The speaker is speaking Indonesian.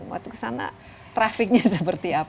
waktu kesana trafficnya seperti apa